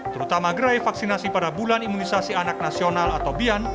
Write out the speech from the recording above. terutama gerai vaksinasi pada bulan imunisasi anak nasional atau bian